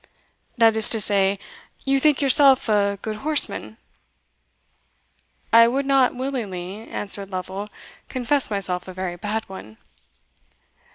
"That is to say, you think yourself a good horseman?" "I would not willingly," answered Lovel, "confess myself a very bad one."